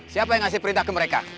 siapa yang ngasih perintah ke mereka